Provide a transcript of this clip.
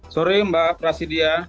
sorry mbak prasidya